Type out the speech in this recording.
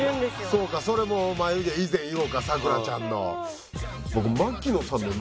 そうかそれも眉毛以前以後か咲楽ちゃんの。